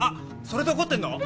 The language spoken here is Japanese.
それで怒ってんの？